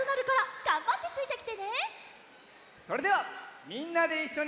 それではみんなでいっしょに。